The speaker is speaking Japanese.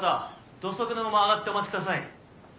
土足のまま上がってお待ちください。